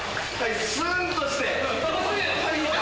スン！として。